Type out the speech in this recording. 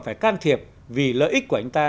phải can thiệp vì lợi ích của anh ta